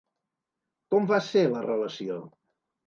Com va ser la relació?